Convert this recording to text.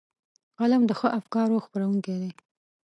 قلم د ښو افکارو خپرونکی دی